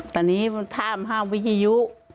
แต่นี่ทำหาวิยุ